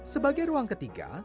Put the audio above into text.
sebagai ruang ketiga